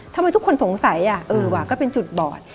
ทำไมทุกคนสงสัยเออว่ะก็เป็นจุดบอด